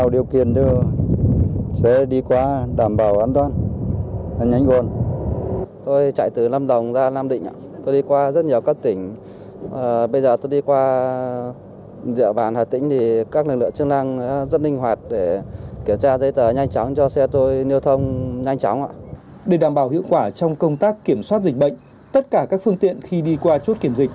để đảm bảo hiệu quả trong công tác kiểm soát dịch bệnh tất cả các phương tiện khi đi qua chốt kiểm dịch